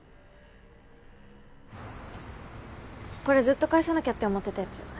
これずっと返さなきゃって思ってたやつ。